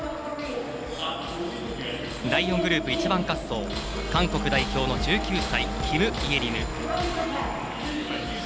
第４グループ、１番滑走韓国代表の１９歳キム・イェリム。